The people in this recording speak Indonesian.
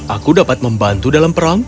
aku dapat membantu dalam perang